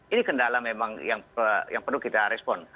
ini kendala yang memang perlu kita respon